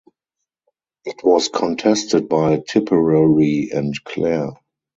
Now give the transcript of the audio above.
It was contested by Tipperary and Clare.